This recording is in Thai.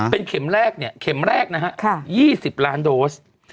เป็นเข็มแรกเนี่ยเข็มแรกนะฮะ๒๐ล้านโดส